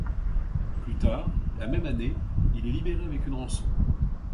Plus tard la même année, il est libéré avec une rançon.